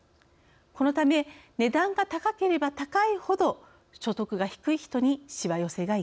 このため値段が高ければ高いほど所得が低い人にしわ寄せがいきます。